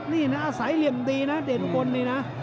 นี่นะอาศัยเหลี่ยมดีนะเดชอุบลนี่นะ